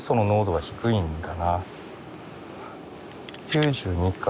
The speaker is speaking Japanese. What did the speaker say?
９２か。